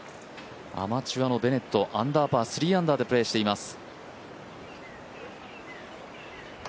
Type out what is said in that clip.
アマチュアのベネットアンダーパー、３アンダーでプレーしています。